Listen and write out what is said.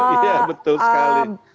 iya betul sekali